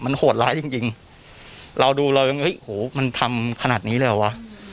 โหดร้ายจริงจริงเราดูเรายังเฮ้ยโหมันทำขนาดนี้เลยเหรอวะ